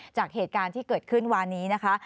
จากเหตุการณ์ที่เกิดขึ้นวันนี้นะคะ